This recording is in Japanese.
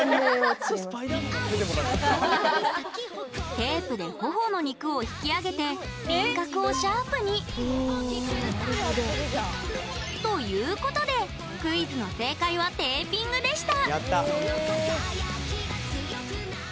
テープでほほの肉を引き上げて輪郭をシャープに。ということでクイズの正解はテーピングでした。